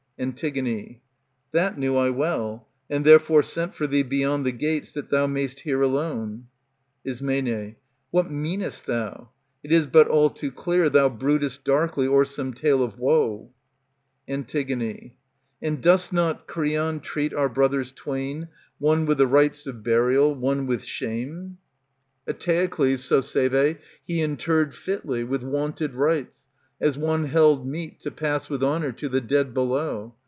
Antig. That knew I well, and therefore sent for thee Beyond the gates, that thou may'st hear alone. Ism, What meanest thou ? It is but all too clear ^ Thou broodest darkly o'er some tale of woe. Antig, And does not Creon treat our brothers twain One with the rites of burial, one with shame ? 141 ANTIGONE Eteocles, so say they, he interred Fitly, with wonted rites, as one held meet To pass with honour to the dead below.